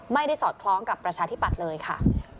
สอดคล้องกับประชาธิปัตย์เลยค่ะ